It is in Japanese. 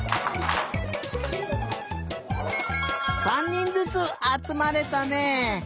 ３にんずつあつまれたね！